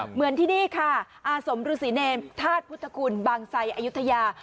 เหมือนที่นี่ค่ะอาสมฤษีเนรธาตุพุทธคุณบางไซอายุทยา